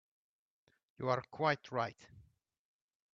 You are quite right.